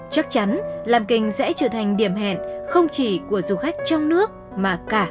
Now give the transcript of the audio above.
chắc chắn lam kinh sẽ trở thành điểm hẹn không chỉ của du khách trong nước mà cả du khách quốc tế